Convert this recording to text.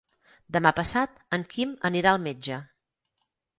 Demà passat en Quim anirà al metge.